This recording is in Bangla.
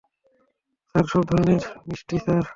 স্যার, সব ধরনের মিষ্টি, স্যার।